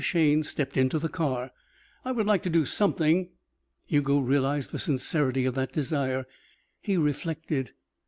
Shayne stepped into the car. "I would like to do something." Hugo realized the sincerity of that desire. He reflected.